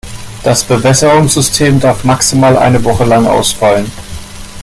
Das Bewässerungssystem darf maximal eine Woche lang ausfallen.